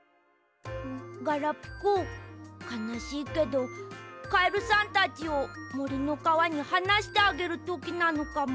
ガラピコかなしいけどカエルさんたちをもりのかわにはなしてあげるときなのかも。